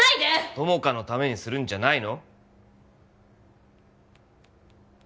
友果のためにするんじゃないの？